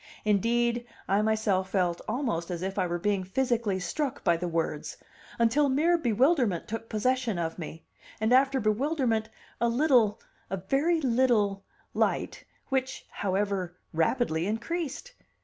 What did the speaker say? Indeed, I myself felt almost as if I were being physically struck by the words, until mere bewilderment took possession of me; and after bewilderment, a little, a very little, light, which, however, rapidly increased.